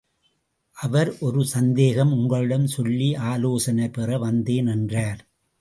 அவர், ஒரு சந்தேகம் உங்களிடம் சொல்லி ஆலோசனை பெற வந்தேன் என்றார்.